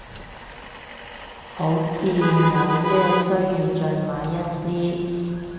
好似冇咩需要再買一隻，